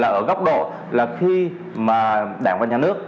ở góc độ là khi mà đảng và nhà nước